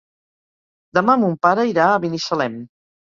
Demà mon pare irà a Binissalem.